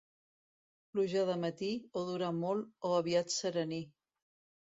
Pluja de matí, o dura molt o aviat serení.